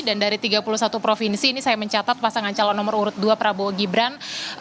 dan dari tiga puluh satu provinsi ini saya mencatat pasangan calon nomor urut dua prabowo gibran